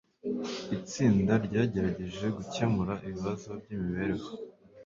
Itsinda ryagerageje gukemura ibibazo byimibereho.